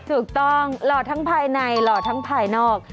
ถูกต้องหล่อทั้งภายในหล่อทั้งภายนอก